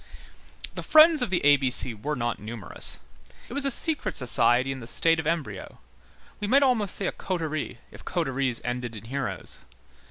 The Friends of the A B C were not numerous, it was a secret society in the state of embryo, we might almost say a coterie, if coteries ended in heroes.